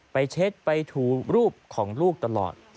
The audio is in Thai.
เช็ดไปถูรูปของลูกตลอด